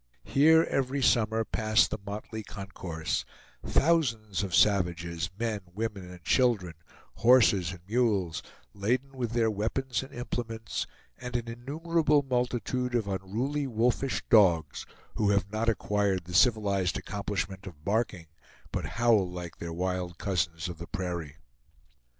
Here every summer pass the motley concourse; thousands of savages, men, women, and children, horses and mules, laden with their weapons and implements, and an innumerable multitude of unruly wolfish dogs, who have not acquired the civilized accomplishment of barking, but howl like their wild cousins of the prairie.